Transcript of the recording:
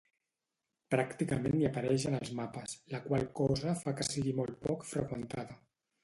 Pràcticament ni apareix en els mapes, la qual cosa fa que sigui molt poc freqüentada.